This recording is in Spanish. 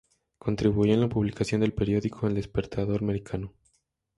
Contribuyó en la publicación del periódico "El Despertador Americano".